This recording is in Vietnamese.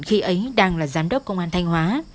khi ấy đang là giám đốc công an thanh hóa